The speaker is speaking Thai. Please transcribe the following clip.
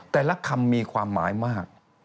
แต่ละคำมีความหมายมาก